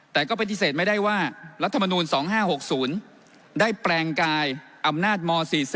แต่ก็เป็นที่เสร็จไม่ได้ว่ารัฐมนตร์๒๕๖๐ได้แปลงกายอำนาจม๔๔